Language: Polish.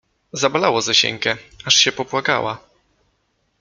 Zabolało Zosieńkę, aż się popłakała